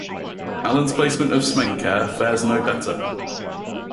Allen's placement of Smenkhkare fares no better.